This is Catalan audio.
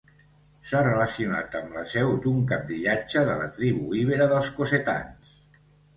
S'ha relacionat amb la seu d'un cabdillatge de la tribu ibera dels cossetans.